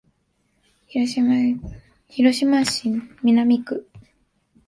広島市南区